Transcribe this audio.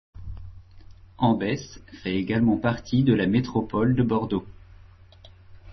Ambès fait également partie de la métropole de Bordeaux.